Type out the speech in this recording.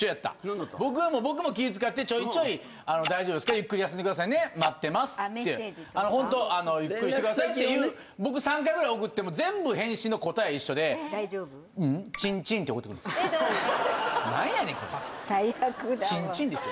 僕も気使ってちょいちょい「大丈夫ですか？」「ゆっくり休んで下さいね」「待ってます」ってあのホントゆっくりしてくださいっていう僕３回ぐらい送っても全部返信の答え一緒で「大丈夫？」ううん「ちんちん」って送ってくる何やねんこれ「ちんちん」ですよ